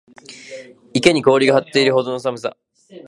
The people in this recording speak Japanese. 池に氷が張っているほどの寒さ